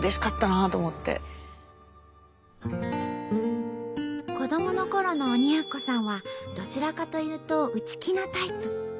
だから子どものころの鬼奴さんはどちらかというと内気なタイプ。